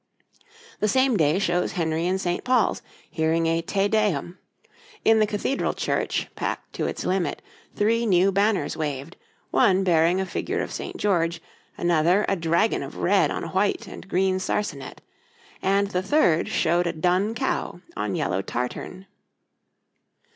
The same day shows Henry in St. Paul's, hearing a Te Deum; in the Cathedral church, packed to its limit, three new banners waved, one bearing a figure of St. George, another a dragon of red on white and green sarcenet, and the third showed a dun cow on yellow tarterne.